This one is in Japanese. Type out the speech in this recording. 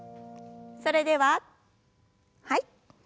それでははい。